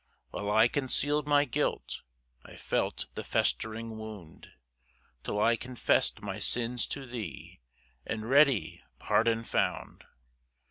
3 While I conceal'd my guilt I felt the festering wound, Till I confess'd my sins to thee, And ready pardon found.